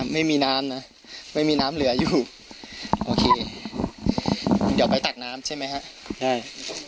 ไม่มีน้ำนะไม่มีน้ำเหลืออยู่โอเคเดี๋ยวไปตักน้ำใช่ไหมฮะใช่